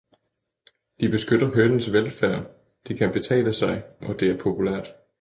De beskytter hønens velfærd, det kan betale sig, og det er populært.